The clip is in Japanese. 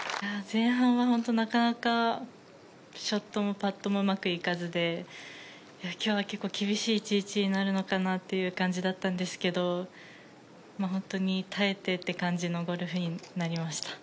前半は本当になかなかショットもパットもうまくいかずで今日は結構厳しい１日になるのかなという感じだったんですが本当に耐えてっていう感じのゴルフになりました。